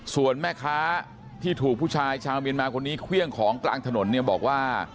ส่วนแม่ค้าที่ถูกผู้ชายชาวเมียนมาคนนี้เครื่องของกลางถนนเนี่ยบอกว่า